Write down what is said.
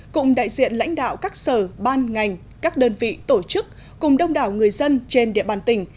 cùng đại diện lãnh đạo các sở ban ngành các đơn vị tổ chức cùng đông đảo người dân trên địa bàn tỉnh